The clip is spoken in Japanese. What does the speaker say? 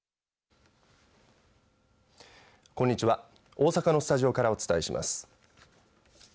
大阪のスタジオからお伝えします。